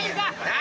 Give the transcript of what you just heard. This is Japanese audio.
何？